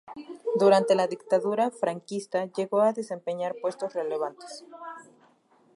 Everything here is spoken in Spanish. Durante la Dictadura franquista llegó a desempeñar puestos relevantes.